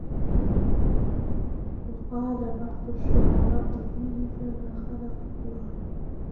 وَقَالَ بَعْضُ الشُّعَرَاءُ فِيهِ فَمَا خَلَقَ اللَّهُ